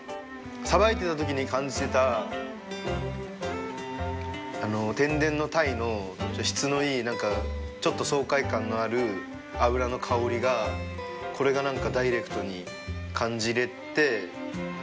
さばいてた時に感じてた天然のタイの質のいいちょっと爽快感のある脂の香りがこれがなんかダイレクトに感じれて。